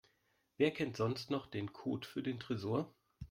Wer kennt sonst noch den Code für den Tresor?